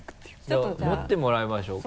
じゃあ持ってもらいましょうか。